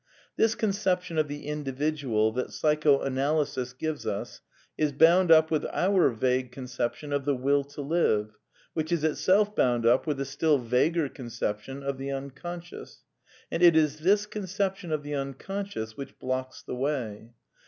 This conception of the Individual that Psychoanalysis gives us is bound up with our vague conception of the Will to live, which is itself bound up with the still vaguer conception of the Unconscious. And it is this conception of the Unconscious which blocks the way.